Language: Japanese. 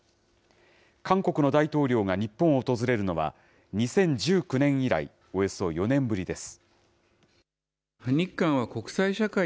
韓国の大統領が日本を訪れるのは２０１９年以来、およそ４年ぶりです。